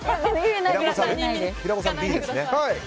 平子さん、Ｂですね。